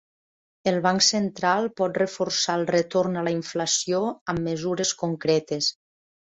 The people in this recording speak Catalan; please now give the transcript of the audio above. El banc central pot reforçar el retorn a la inflació amb mesures concretes.